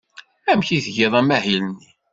Amek i tgiḍ amahil-nni?